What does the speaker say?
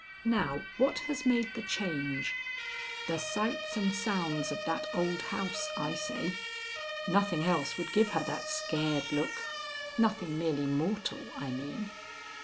Now what has made the change? The sights and sounds of that old house, I say. Nothing else would give her that scared look nothing merely mortal, I mean."